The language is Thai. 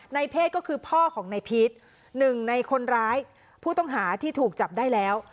ในเพศก็คือพ่อของนายพีชหนึ่งในคนร้ายผู้ต้องหาที่ถูกจับได้แล้ว